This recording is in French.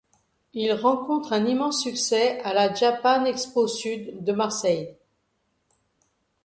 Il rencontre un immense succès à la Japan Expo Sud de Marseille.